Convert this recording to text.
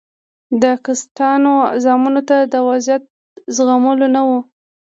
د کسټانو زامنو ته دا وضعیت د زغملو نه و.